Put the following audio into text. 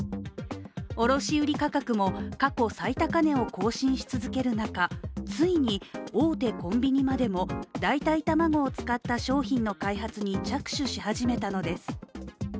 卸売価格も過去最高値を更新し続ける中、ついに大手コンビニまでも代替卵を使った商品の開発に着手し始めたのです。